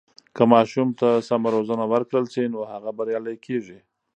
که ماشوم ته سمه روزنه ورکړل سي، نو هغه بریالی کیږي.